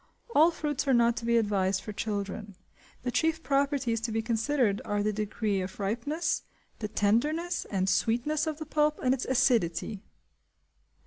All fruits are not to be advised for children; the chief properties to be considered are the degree of ripeness, the tenderness and sweetness of the pulp, and its acidity.